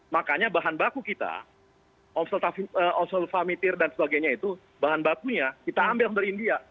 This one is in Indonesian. makanya bahan baku kita osol famitir dan sebagainya itu bahan bakunya kita ambil dari india